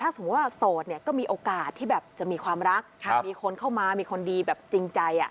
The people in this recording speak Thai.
สมมุติว่าโสดเนี่ยก็มีโอกาสที่แบบจะมีความรักมีคนเข้ามามีคนดีแบบจริงใจ